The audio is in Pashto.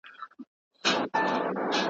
اوږده ساعتونه د دماغ جوړښت اغېزمنوي.